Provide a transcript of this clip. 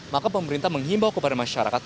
maka pemerintah menghimbau kepada masyarakat